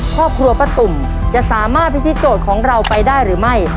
ครอบครัวป้าตุ่มจะสามารถพิธีโจทย์ของเราไปได้หรือไม่